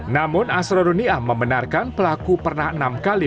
namun asro rumniam membenarkan pelaku pernah enam kali